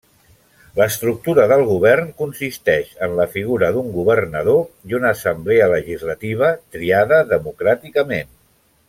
L'estructura del govern consisteix en la figura d'un Governador i una assemblea legislativa, triada democràticament.